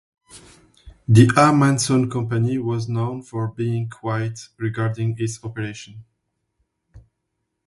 The Ahmanson company was known for being quiet regarding its operations.